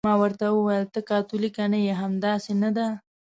ما ورته وویل: ته کاتولیکه نه یې، همداسې نه ده؟